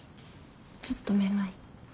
ちょっとめまい。